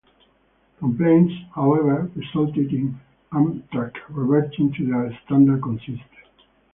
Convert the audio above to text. Complaints, however, resulted in Amtrak reverting to their standard consist.